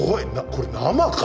これ生か！